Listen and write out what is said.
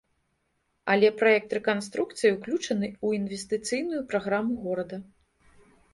Але праект рэканструкцыі ўключаны ў інвестыцыйную праграму горада.